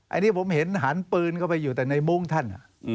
อันนี้ผมเห็นหันปืนเข้าไปอยู่แต่ในมุ้งท่าน